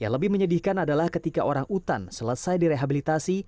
yang lebih menyedihkan adalah ketika orang utan selesai direhabilitasi